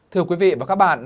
thưa quý vị và các bạn